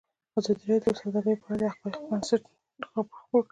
ازادي راډیو د سوداګري په اړه د حقایقو پر بنسټ راپور خپور کړی.